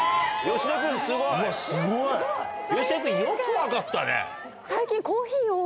芳根君よく分かったね。